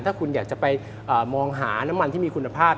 ถ้าคุณอยากจะไปมองหาน้ำมันที่มีคุณภาพ